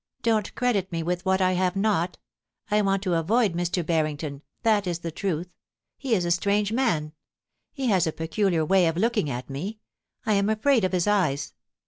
* Don't credit me with what I have not I want to avoid Mr. Harrington — that is the truth. He is a strange man. He has a peculiar way of looking at me ; I am afraid of his eyes.